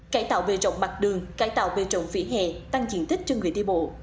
cải tạo về trọng mặt đường cải tạo về trọng phía hẹ tăng diện tích cho người đi bộ